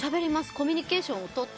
コミュニケーションをとって。